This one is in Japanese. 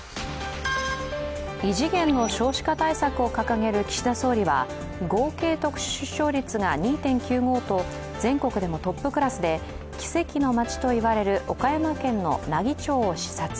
異次元の少子化対策を掲げる岸田総理は合計特殊出生率が２．９５と全国でもトップクラスで奇跡のまちと言われる岡山県の奈義町を視察。